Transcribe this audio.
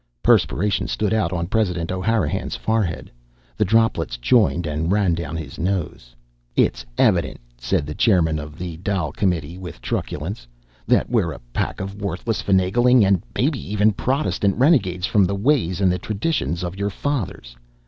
Perspiration stood out on President O'Hanrahan's forehead. The droplets joined and ran down his nose. "It's evident," said the chairman of the Dail Committee, with truculence, "that we're a pack of worthless, finagling' and maybe even Protestant renegades from the ways an' the traditions of your fathers!